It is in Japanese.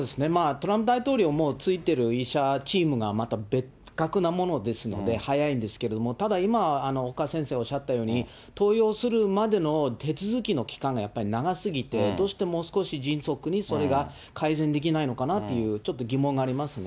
トランプ大統領もついてる医者、チームがまた別格なものですので、早いんですけれども、ただ、今、岡先生おっしゃったように、投与するまでの手続きの期間がやっぱり長すぎて、どうしてもう少し迅速にそれが改善できないのかなと、ちょっと疑問がありますね。